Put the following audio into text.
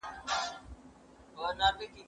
زه اوس لوښي وچوم!؟